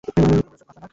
বড়-বড় চোখ, পাতলা নাক।